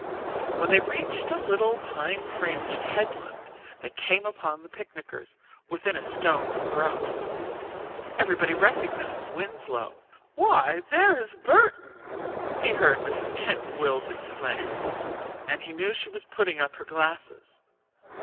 When they reached a little pine fringed headland they came upon the picnickers, within a stone's throw. Everybody recognized Winslow. "Why, there is Burton!" he heard Mrs. Keyton Wells exclaim, and he knew she was putting up her glasses.